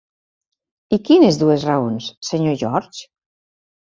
I quines dues raons, senyor George?